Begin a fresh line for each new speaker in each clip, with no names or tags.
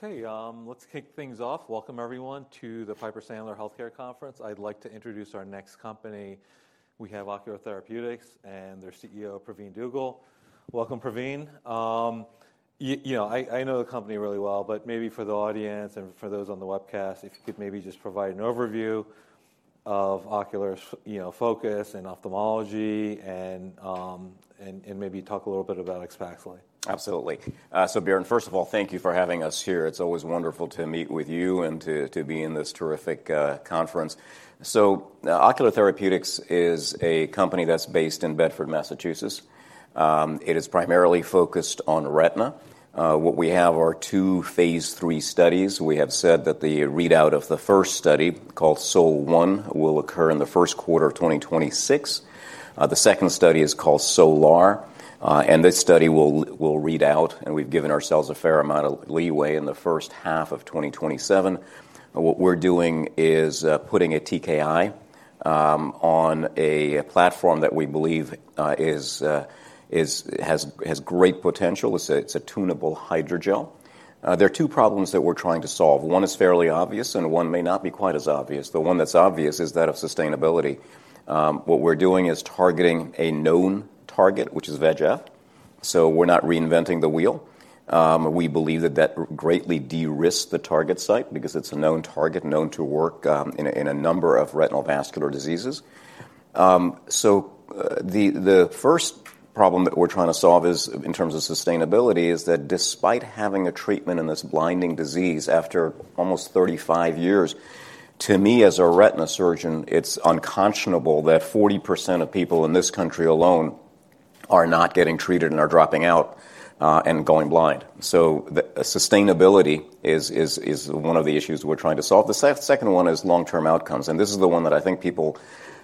Okay, let's kick things off. Welcome, everyone, to the Piper Sandler Healthcare Conference. I'd like to introduce our next company. We have Ocular Therapeutix and their CEO, Pravin Dugel. Welcome, Pravin. You know, I know the company really well, but maybe for the audience and for those on the webcast, if you could maybe just provide an overview of Ocular, you know, focus on ophthalmology and, and maybe talk a little bit about AXPAXLI.
Absolutely. So, Bjorn, first of all, thank you for having us here. It's always wonderful to meet with you and to be in this terrific conference. So, Ocular Therapeutix is a company that's based in Bedford, Massachusetts. It is primarily focused on retina. What we have are two phase III studies. We have said that the readout of the first study, called SOL-1, will occur in the first quarter of 2026. The second study is called SOL-R, and this study will read out, and we've given ourselves a fair amount of leeway in the first half of 2027. What we're doing is putting a TKI on a platform that we believe is has great potential. It's a tunable hydrogel. There are two problems that we're trying to solve. One is fairly obvious, and one may not be quite as obvious. The one that's obvious is that of sustainability. What we're doing is targeting a known target, which is VEGF. So we're not reinventing the wheel. We believe that that greatly de-risked the target site because it's a known target, known to work, in a number of retinal vascular diseases. So the first problem that we're trying to solve is, in terms of sustainability, is that despite having a treatment in this blinding disease after almost 35 years, to me, as a retina surgeon, it's unconscionable that 40% of people in this country alone are not getting treated and are dropping out, and going blind. So sustainability is one of the issues we're trying to solve. The second one is long-term outcomes, and this is the one that I think people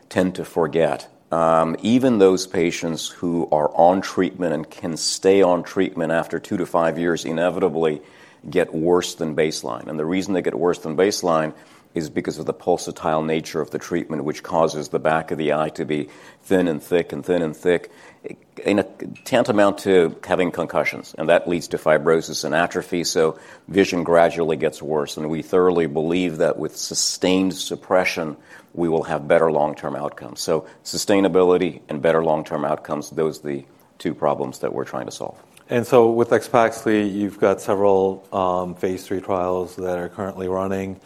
tend to forget. Even those patients who are on treatment and can stay on treatment after two to five years inevitably get worse than baseline. The reason they get worse than baseline is because of the pulsatile nature of the treatment, which causes the back of the eye to be thin and thick and thin and thick, tantamount to having concussions, and that leads to fibrosis and atrophy. Vision gradually gets worse, and we thoroughly believe that with sustained suppression, we will have better long-term outcomes. Sustainability and better long-term outcomes, those are the two problems that we're trying to solve.
So with AXPAXLI, you've got several phase III trials that are currently running.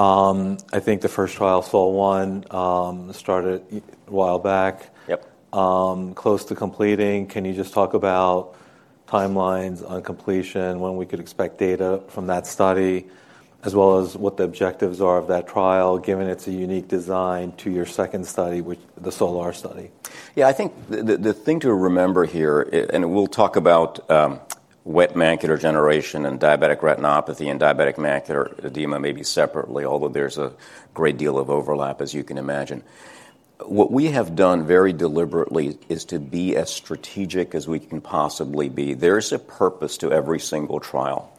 I think the first trial, SOL-1, started a while back.
Yep.
Close to completing. Can you just talk about timelines on completion, when we could expect data from that study, as well as what the objectives are of that trial, given it's a unique design to your second study, which is the SOL-R study?
Yeah, I think the thing to remember here, and we'll talk about wet macular degeneration and diabetic retinopathy and diabetic macular edema maybe separately, although there's a great deal of overlap, as you can imagine. What we have done very deliberately is to be as strategic as we can possibly be. There is a purpose to every single trial.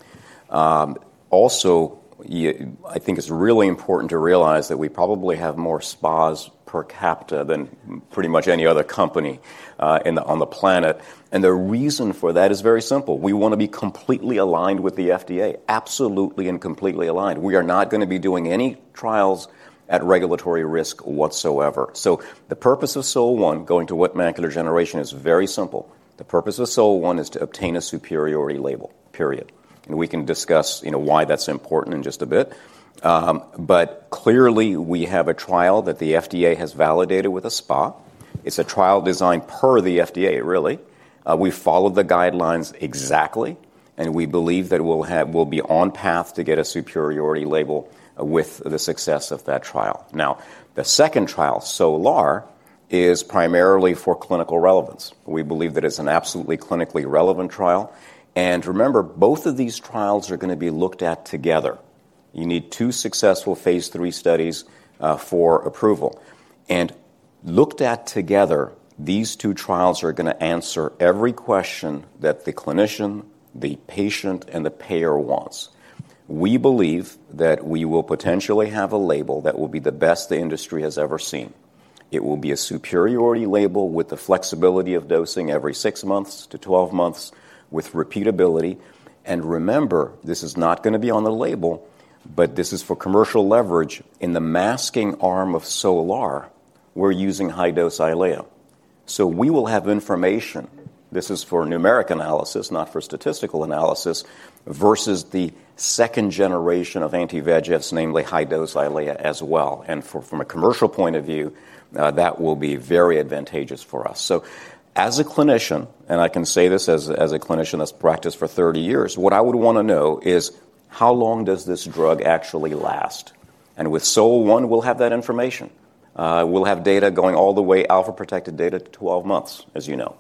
Also, I think it's really important to realize that we probably have more SPAs per capita than pretty much any other company, on the planet, and the reason for that is very simple. We want to be completely aligned with the FDA, absolutely and completely aligned. We are not going to be doing any trials at regulatory risk whatsoever, so the purpose of SOL-1, going to wet macular degeneration, is very simple. The purpose of SOL-1 is to obtain a superiority label, period. And we can discuss, you know, why that's important in just a bit. But clearly we have a trial that the FDA has validated with a SPA. It's a trial designed per the FDA, really. We follow the guidelines exactly, and we believe that we'll be on path to get a superiority label with the success of that trial. Now, the second trial, SOL-R, is primarily for clinical relevance. We believe that it's an absolutely clinically relevant trial. And remember, both of these trials are going to be looked at together. You need two successful phase III studies, for approval. And looked at together, these two trials are going to answer every question that the clinician, the patient, and the payer wants. We believe that we will potentially have a label that will be the best the industry has ever seen. It will be a superiority label with the flexibility of dosing every six months to twelve months with repeatability. And remember, this is not going to be on the label, but this is for commercial leverage. In the masking arm of SOL-R, we're using high-dose EYLEA. So we will have information. This is for numeric analysis, not for statistical analysis, versus the second generation of anti-VEGFs, namely high-dose EYLEA as well. And from a commercial point of view, that will be very advantageous for us. So as a clinician, and I can say this as a clinician that's practiced for 30 years, what I would want to know is how long does this drug actually last? And with SOL-1, we'll have that information. We'll have data going all the way, alpha-protected data to twelve months, as you know.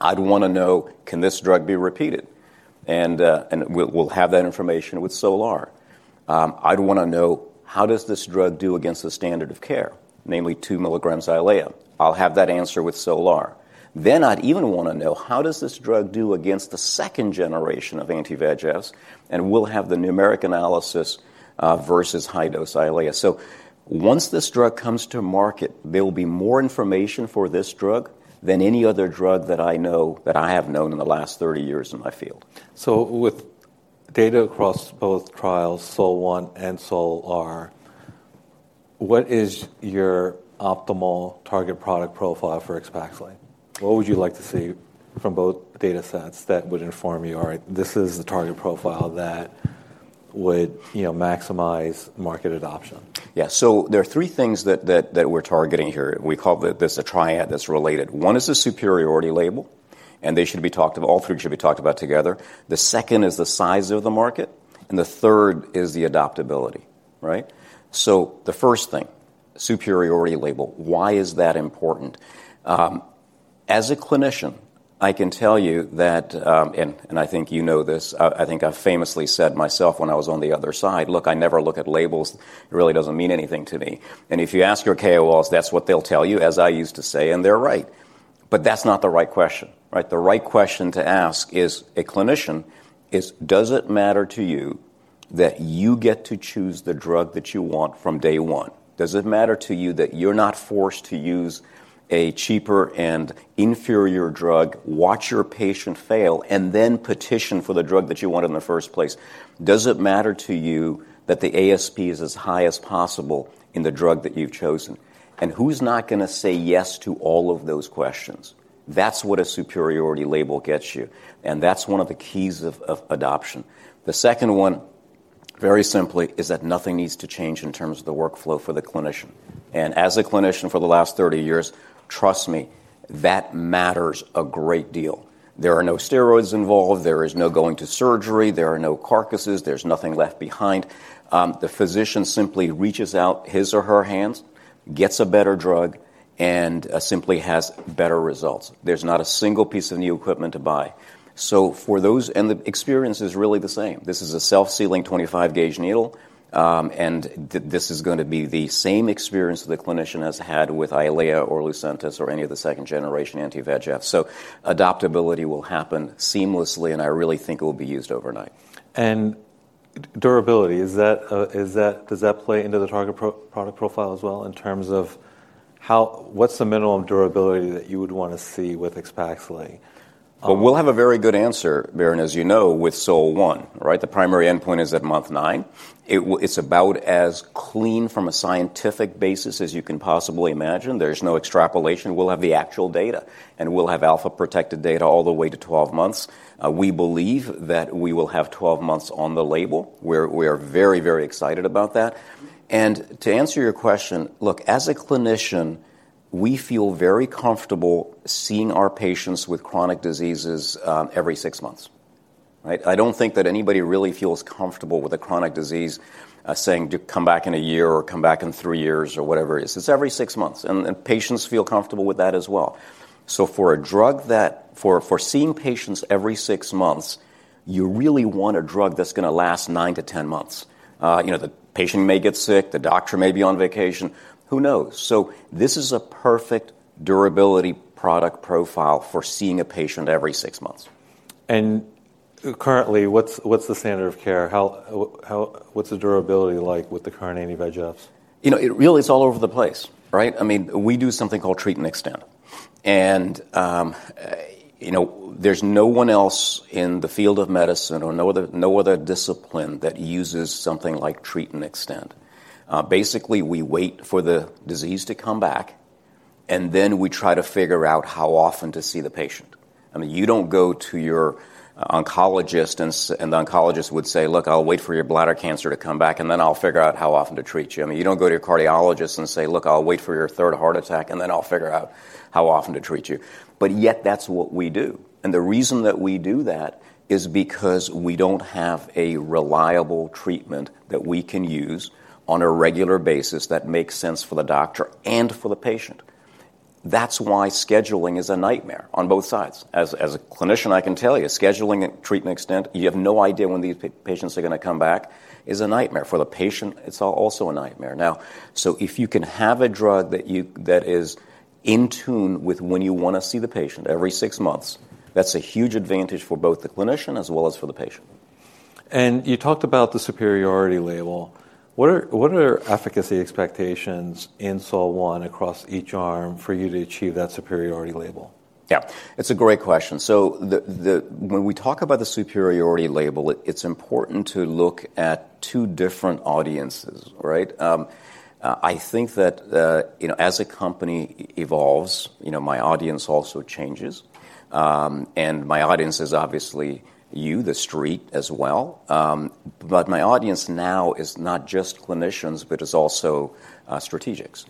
I'd want to know, can this drug be repeated? We'll have that information with SOL-R. I'd want to know, how does this drug do against the standard of care, namely two milligrams EYLEA? I'll have that answer with SOL-R. Then I'd even want to know, how does this drug do against the second generation of anti-VEGFs? And we'll have the numeric analysis versus high-dose EYLEA. So once this drug comes to market, there will be more information for this drug than any other drug that I know, that I have known in the last 30 years in my field.
So with data across both trials, SOL-1 and SOL-R, what is your optimal target product profile for AXPAXLI? What would you like to see from both data sets that would inform you, all right, this is the target profile that would, you know, maximize market adoption?
Yeah, so there are three things that we're targeting here. We call this a triad that's related. One is the superiority label, and they should be talked about, all three should be talked about together. The second is the size of the market, and the third is the adoptability, right? So the first thing, superiority label, why is that important? As a clinician, I can tell you that, and I think you know this, I think I've famously said myself when I was on the other side, look, I never look at labels. It really doesn't mean anything to me. And if you ask your KOLs, that's what they'll tell you, as I used to say, and they're right. But that's not the right question, right? The right question to ask as a clinician is, does it matter to you that you get to choose the drug that you want from day one? Does it matter to you that you're not forced to use a cheaper and inferior drug, watch your patient fail, and then petition for the drug that you want in the first place? Does it matter to you that the ASP is as high as possible in the drug that you've chosen? And who's not going to say yes to all of those questions? That's what a superiority label gets you. And that's one of the keys of adoption. The second one, very simply, is that nothing needs to change in terms of the workflow for the clinician. And as a clinician for the last 30 years, trust me, that matters a great deal. There are no steroids involved, there is no going to surgery, there are no carcasses, there's nothing left behind. The physician simply reaches out his or her hands, gets a better drug, and simply has better results. There's not a single piece of new equipment to buy. So for those, and the experience is really the same. This is a self-sealing 25-gauge needle, and this is going to be the same experience that the clinician has had with EYLEA or LUCENTIS or any of the second-generation anti-VEGF. So adoptability will happen seamlessly, and I really think it will be used overnight.
Durability, is that, does that play into the target product profile as well in terms of how, what's the minimum durability that you would want to see with AXPAXLI?
We'll have a very good answer, Bjorn, as you know, with SOL-1, right? The primary endpoint is at month nine. It's about as clean from a scientific basis as you can possibly imagine. There's no extrapolation. We'll have the actual data, and we'll have alpha-protected data all the way to twelve months. We believe that we will have twelve months on the label. We are very, very excited about that. And to answer your question, look, as a clinician, we feel very comfortable seeing our patients with chronic diseases every six months, right? I don't think that anybody really feels comfortable with a chronic disease saying, come back in a year or come back in three years or whatever it is. It's every six months, and patients feel comfortable with that as well. So for a drug that, for seeing patients every six months, you really want a drug that's going to last nine to ten months. You know, the patient may get sick, the doctor may be on vacation, who knows? So this is a perfect durability product profile for seeing a patient every six months.
Currently, what's the standard of care? How, what's the durability like with the current anti-VEGFs?
You know, it really is all over the place, right? I mean, we do something called Treat and Extend. And, you know, there's no one else in the field of medicine or no other discipline that uses something like Treat and Extend. Basically, we wait for the disease to come back, and then we try to figure out how often to see the patient. I mean, you don't go to your oncologist, and the oncologist would say, look, I'll wait for your bladder cancer to come back, and then I'll figure out how often to treat you. I mean, you don't go to your cardiologist and say, look, I'll wait for your third heart attack, and then I'll figure out how often to treat you. But yet, that's what we do. The reason that we do that is because we don't have a reliable treatment that we can use on a regular basis that makes sense for the doctor and for the patient. That's why scheduling is a nightmare on both sides. As a clinician, I can tell you, scheduling Treat and Extend, you have no idea when these patients are going to come back, is a nightmare. For the patient, it's also a nightmare. Now, so if you can have a drug that is in tune with when you want to see the patient every six months, that's a huge advantage for both the clinician as well as for the patient.
You talked about the superiority label. What are efficacy expectations in SOL-1 across each arm for you to achieve that superiority label?
Yeah, it's a great question. So when we talk about the superiority label, it's important to look at two different audiences, right? I think that, you know, as a company evolves, you know, my audience also changes. And my audience is obviously you, the street as well. But my audience now is not just clinicians, but it's also strategics.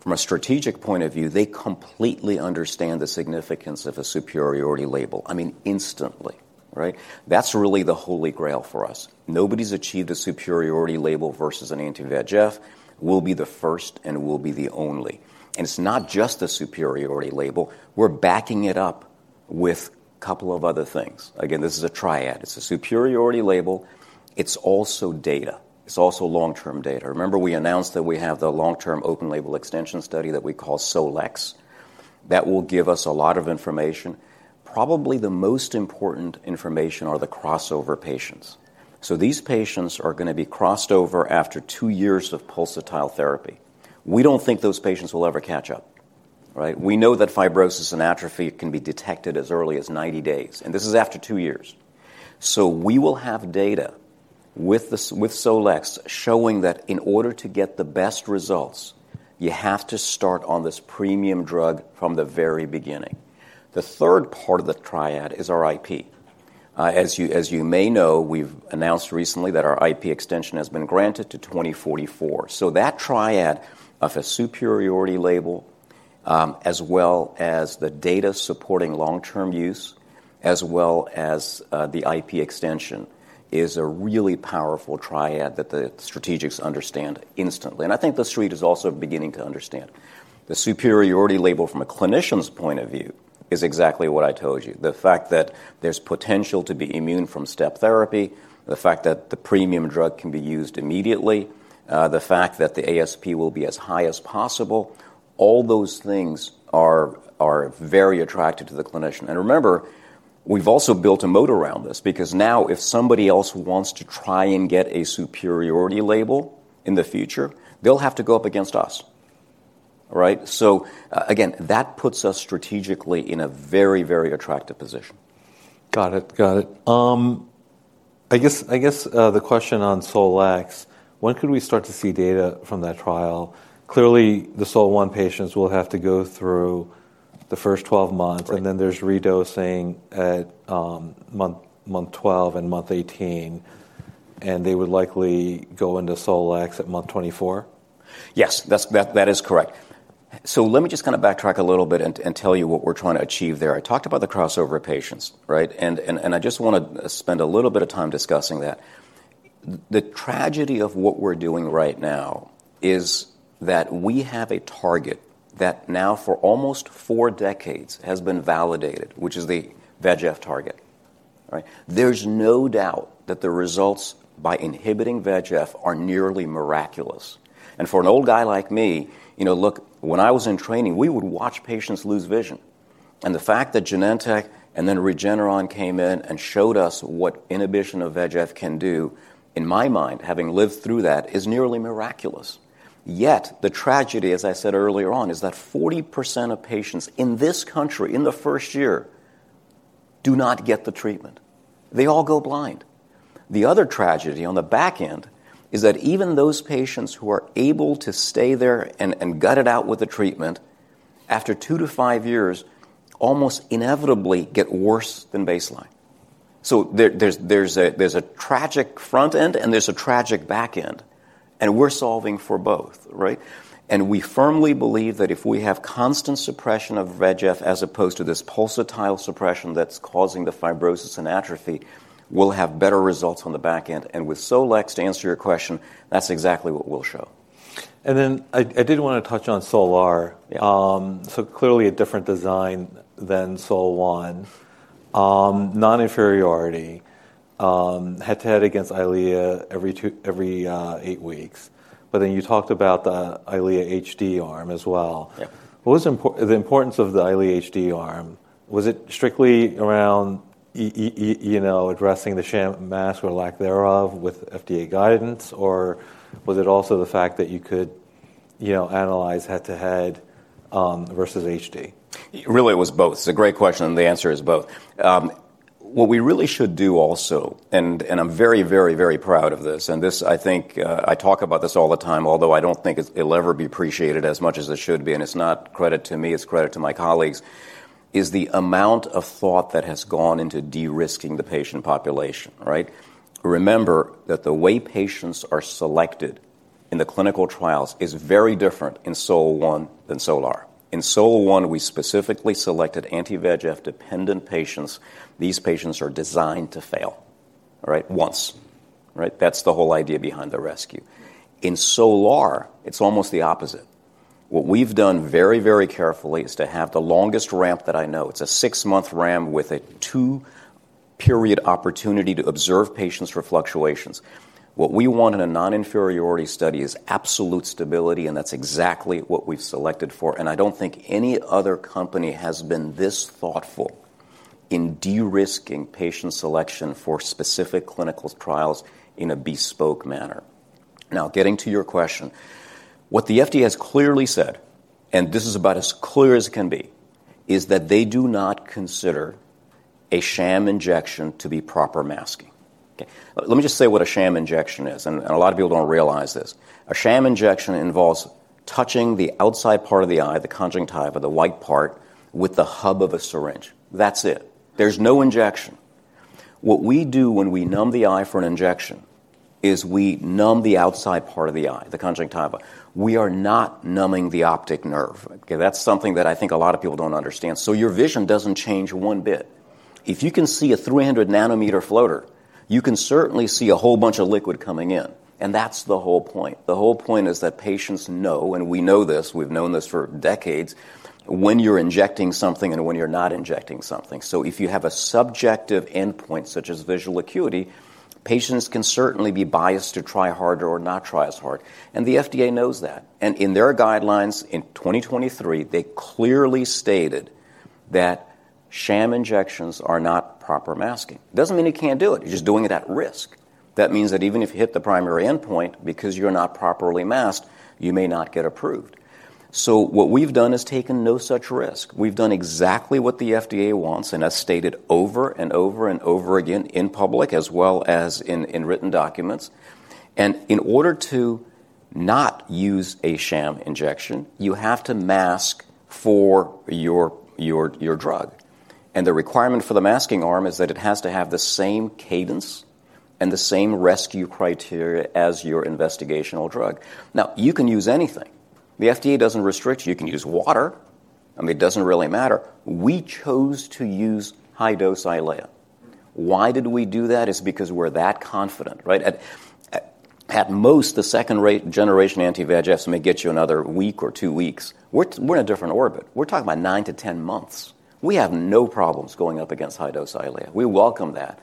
From a strategic point of view, they completely understand the significance of a superiority label. I mean, instantly, right? That's really the Holy Grail for us. Nobody's achieved a superiority label versus an anti-VEGF. We'll be the first and we'll be the only. And it's not just a superiority label. We're backing it up with a couple of other things. Again, this is a triad. It's a superiority label. It's also data. It's also long-term data. Remember, we announced that we have the long-term open label extension study that we call SOL-X. That will give us a lot of information. Probably the most important information are the crossover patients. So these patients are going to be crossed over after two years of pulsatile therapy. We don't think those patients will ever catch up, right? We know that fibrosis and atrophy can be detected as early as 90 days. And this is after two years. So we will have data with SOL-X showing that in order to get the best results, you have to start on this premium drug from the very beginning. The third part of the triad is our IP. As you may know, we've announced recently that our IP extension has been granted to 2044. So that triad of a superiority label, as well as the data supporting long-term use, as well as the IP extension, is a really powerful triad that the strategics understand instantly. And I think the street is also beginning to understand. The superiority label from a clinician's point of view is exactly what I told you. The fact that there's potential to be immune from step therapy, the fact that the premium drug can be used immediately, the fact that the ASP will be as high as possible, all those things are very attractive to the clinician. And remember, we've also built a moat around this because now if somebody else wants to try and get a superiority label in the future, they'll have to go up against us, right? So again, that puts us strategically in a very, very attractive position.
Got it, got it. I guess the question on SOL-X, when could we start to see data from that trial? Clearly, the SOL-1 patients will have to go through the first twelve months, and then there's redosing at month twelve and month eighteen, and they would likely go into SOL-X at month twenty-four?
Yes, that is correct. So let me just kind of backtrack a little bit and tell you what we're trying to achieve there. I talked about the crossover patients, right? And I just want to spend a little bit of time discussing that. The tragedy of what we're doing right now is that we have a target that now for almost four decades has been validated, which is the VEGF target, right? There's no doubt that the results by inhibiting VEGF are nearly miraculous. And for an old guy like me, you know, look, when I was in training, we would watch patients lose vision. And the fact that Genentech and then Regeneron came in and showed us what inhibition of VEGF can do, in my mind, having lived through that, is nearly miraculous. Yet the tragedy, as I said earlier on, is that 40% of patients in this country in the first year do not get the treatment. They all go blind. The other tragedy on the back end is that even those patients who are able to stay there and gut it out with the treatment, after two to five years, almost inevitably get worse than baseline. So there's a tragic front end and there's a tragic back end. And we're solving for both, right? And we firmly believe that if we have constant suppression of VEGF as opposed to this pulsatile suppression that's causing the fibrosis and atrophy, we'll have better results on the back end. And with SOL-X, to answer your question, that's exactly what we'll show.
I did want to touch on SOL-R. So clearly a different design than SOL-1, non-inferiority, head-to-head against EYLEA every eight weeks. But then you talked about the EYLEA HD arm as well. What was the importance of the EYLEA HD arm? Was it strictly around, you know, addressing the sham arm or lack thereof with FDA guidance, or was it also the fact that you could, you know, analyze head-to-head versus HD?
Really, it was both. It's a great question, and the answer is both. What we really should do also, and I'm very, very, very proud of this, and this I think, I talk about this all the time, although I don't think it'll ever be appreciated as much as it should be, and it's not credit to me, it's credit to my colleagues, is the amount of thought that has gone into de-risking the patient population, right? Remember that the way patients are selected in the clinical trials is very different in SOL-1 than SOL-R. In SOL-1, we specifically selected anti-VEGF dependent patients. These patients are designed to fail, right? Once, right? That's the whole idea behind the rescue. In SOL-R, it's almost the opposite. What we've done very, very carefully is to have the longest ramp that I know. It's a six-month ramp with a two-period opportunity to observe patients for fluctuations. What we want in a non-inferiority study is absolute stability, and that's exactly what we've selected for, and I don't think any other company has been this thoughtful in de-risking patient selection for specific clinical trials in a bespoke manner. Now, getting to your question, what the FDA has clearly said, and this is about as clear as it can be, is that they do not consider a sham injection to be proper masking. Okay, let me just say what a sham injection is, and a lot of people don't realize this. A sham injection involves touching the outside part of the eye, the conjunctiva, the white part, with the hub of a syringe. That's it. There's no injection. What we do when we numb the eye for an injection is we numb the outside part of the eye, the conjunctiva. We are not numbing the optic nerve. Okay, that's something that I think a lot of people don't understand. So your vision doesn't change one bit. If you can see a 300-nanometer floater, you can certainly see a whole bunch of liquid coming in. And that's the whole point. The whole point is that patients know, and we know this, we've known this for decades, when you're injecting something and when you're not injecting something. So if you have a subjective endpoint such as visual acuity, patients can certainly be biased to try harder or not try as hard. And the FDA knows that. And in their guidelines in 2023, they clearly stated that sham injections are not proper masking. Doesn't mean you can't do it. You're just doing it at risk. That means that even if you hit the primary endpoint, because you're not properly masked, you may not get approved. So what we've done is taken no such risk. We've done exactly what the FDA wants and has stated over and over and over again in public as well as in written documents. And in order to not use a sham injection, you have to mask for your drug. And the requirement for the masking arm is that it has to have the same cadence and the same rescue criteria as your investigational drug. Now, you can use anything. The FDA doesn't restrict you. You can use water. I mean, it doesn't really matter. We chose to use high-dose EYLEA. Why did we do that? It's because we're that confident, right? At most, the second generation anti-VEGFs may get you another week or two weeks. We're in a different orbit. We're talking about nine to 10 months. We have no problems going up against high-dose EYLEA. We welcome that.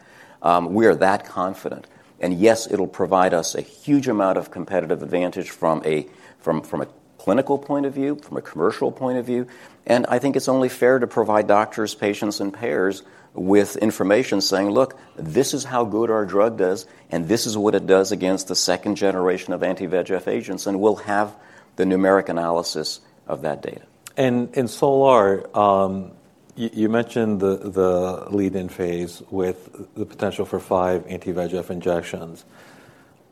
We are that confident. And yes, it'll provide us a huge amount of competitive advantage from a clinical point of view, from a commercial point of view. And I think it's only fair to provide doctors, patients, and payers with information saying, look, this is how good our drug does, and this is what it does against the second generation of anti-VEGF agents. And we'll have the numeric analysis of that data.
In SOL-R, you mentioned the lead-in phase with the potential for five anti-VEGF injections.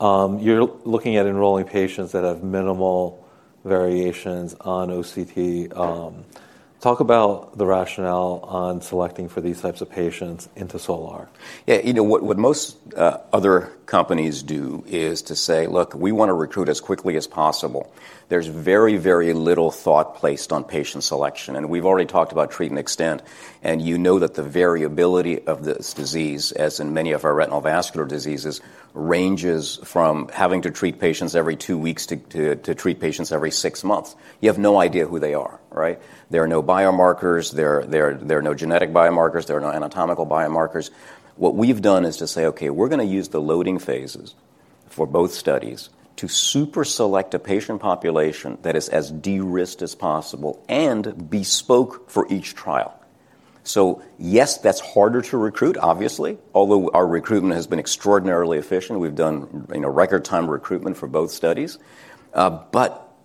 You're looking at enrolling patients that have minimal variations on OCT. Talk about the rationale on selecting for these types of patients into SOL-R.
Yeah, you know, what most other companies do is to say, look, we want to recruit as quickly as possible. There's very, very little thought placed on patient selection. And we've already talked about Treat and Extend. And you know that the variability of this disease, as in many of our retinal vascular diseases, ranges from having to treat patients every two weeks to treat patients every six months. You have no idea who they are, right? There are no biomarkers. There are no genetic biomarkers. There are no anatomical biomarkers. What we've done is to say, okay, we're going to use the loading phases for both studies to super-select a patient population that is as de-risked as possible and bespoke for each trial. So yes, that's harder to recruit, obviously, although our recruitment has been extraordinarily efficient. We've done record-time recruitment for both studies.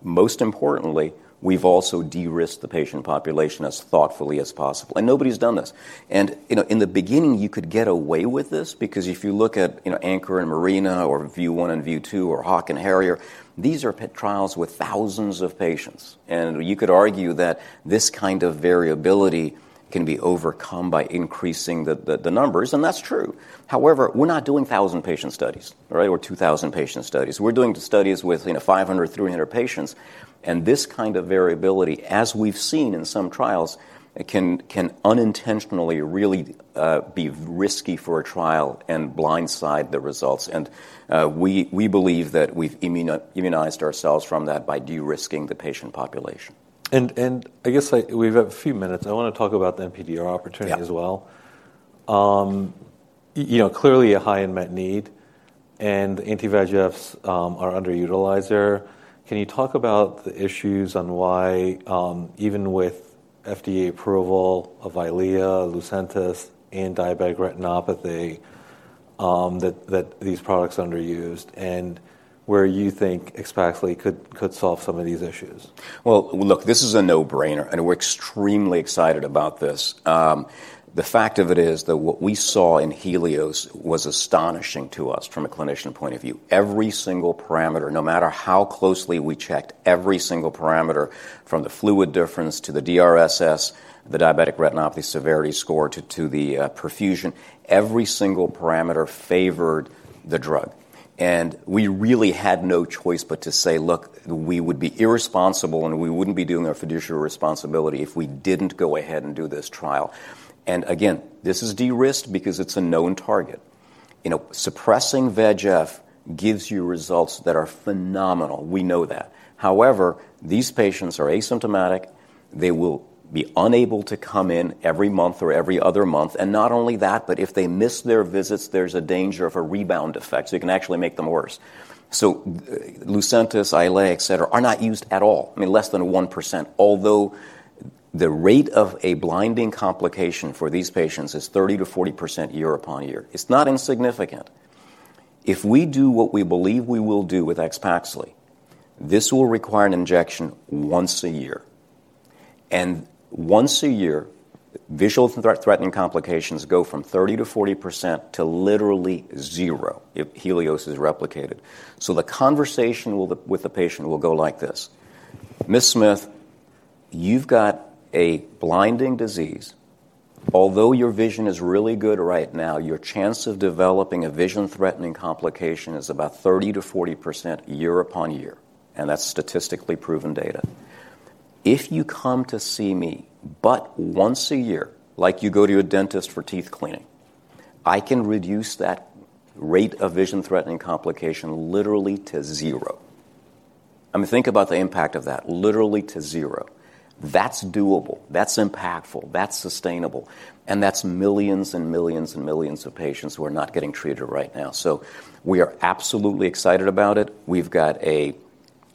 Most importantly, we've also de-risked the patient population as thoughtfully as possible. Nobody's done this. You know, in the beginning, you could get away with this because if you look at ANCHOR and MARINA or VIEW 1 and VIEW 2 or HAWK and HARRIER, these are trials with thousands of patients. You could argue that this kind of variability can be overcome by increasing the numbers. That's true. However, we're not doing thousand patient studies, right, or two thousand patient studies. We're doing studies with, you know, 500, 300 patients. This kind of variability, as we've seen in some trials, can unintentionally really be risky for a trial and blindside the results. We believe that we've immunized ourselves from that by de-risking the patient population.
And I guess we've got a few minutes. I want to talk about the NPDR opportunity as well. You know, clearly a high unmet need, and anti-VEGFs are underutilized. Can you talk about the issues on why, even with FDA approval of EYLEA, LUCENTIS, and diabetic retinopathy, that these products are underused and where you think AXPAXLI could solve some of these issues?
Look, this is a no-brainer, and we're extremely excited about this. The fact of it is that what we saw in HELIOS was astonishing to us from a clinician point of view. Every single parameter, no matter how closely we checked every single parameter from the fluid difference to the DRSS, the Diabetic Retinopathy Severity Score to the perfusion, every single parameter favored the drug. And we really had no choice but to say, look, we would be irresponsible and we wouldn't be doing our fiduciary responsibility if we didn't go ahead and do this trial. And again, this is de-risked because it's a known target. You know, suppressing VEGF gives you results that are phenomenal. We know that. However, these patients are asymptomatic. They will be unable to come in every month or every other month. And not only that, but if they miss their visits, there's a danger of a rebound effect. So you can actually make them worse. So LUCENTIS, EYLEA, et cetera, are not used at all. I mean, less than 1%. Although the rate of a blinding complication for these patients is 30%-40% year upon year, it's not insignificant. If we do what we believe we will do with AXPAXLI, this will require an injection once a year. And once a year, vision-threatening complications go from 30%-40% to literally zero if HELIOS is replicated. So the conversation with the patient will go like this: Ms. Smith, you've got a blinding disease. Although your vision is really good right now, your chance of developing a vision-threatening complication is about 30%-40% year upon year. And that's statistically proven data. If you come to see me but once a year, like you go to a dentist for teeth cleaning, I can reduce that rate of vision-threatening complication literally to zero. I mean, think about the impact of that. Literally to zero. That's doable. That's impactful. That's sustainable. And that's millions and millions and millions of patients who are not getting treated right now. So we are absolutely excited about it. We've got a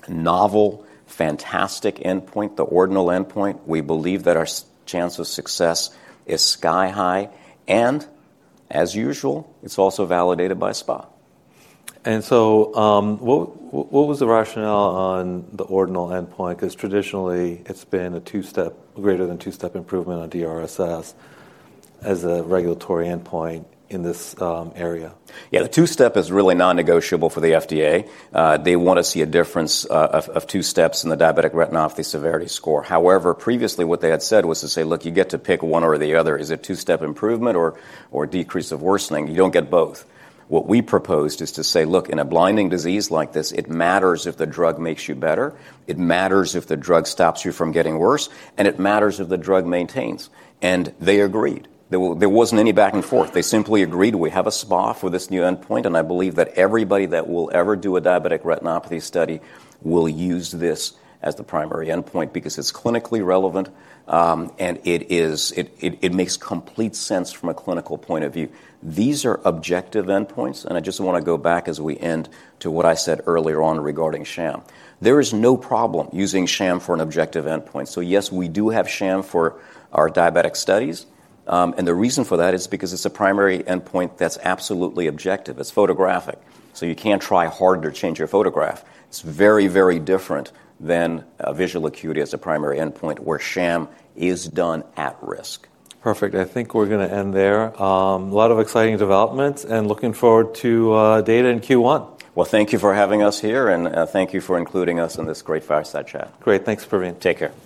novel, fantastic endpoint, the ordinal endpoint. We believe that our chance of success is sky high, and as usual, it's also validated by SPA.
And so what was the rationale on the ordinal endpoint? Because traditionally, it's been a two-step, greater than two-step improvement on DRSS as a regulatory endpoint in this area.
Yeah, the two-step is really non-negotiable for the FDA. They want to see a difference of two steps in the Diabetic Retinopathy Severity Score. However, previously what they had said was to say, look, you get to pick one or the other. Is it two-step improvement or decrease of worsening? You don't get both. What we proposed is to say, look, in a blinding disease like this, it matters if the drug makes you better. It matters if the drug stops you from getting worse, and it matters if the drug maintains, and they agreed. There wasn't any back and forth. They simply agreed we have a spot for this new endpoint, and I believe that everybody that will ever do a diabetic retinopathy study will use this as the primary endpoint because it's clinically relevant and it makes complete sense from a clinical point of view. These are objective endpoints. And I just want to go back as we end to what I said earlier on regarding sham. There is no problem using sham for an objective endpoint. So yes, we do have sham for our diabetic studies. And the reason for that is because it's a primary endpoint that's absolutely objective. It's photographic. So you can't try hard to change your photograph. It's very, very different than visual acuity as a primary endpoint where sham is done at risk.
Perfect. I think we're going to end there. A lot of exciting developments and looking forward to data in Q1.
Thank you for having us here. Thank you for including us in this great fireside chat.
Great. Thanks for being here.
Take care.